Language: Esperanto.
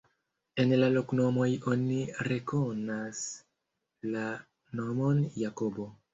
En la loknomoj oni rekonas la nomon Jakobo.